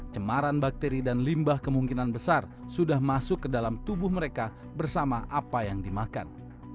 cemaran bakteri dan limbah kemungkinan besar sudah masuk ke dalam tubuh mereka bersama apa yang dimakan